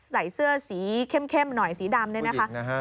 ใส่เสื้อสีเข้มหน่อยสีดำเนี่ยนะคะ